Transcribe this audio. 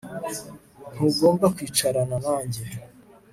Ntugomba kwicarana nanjye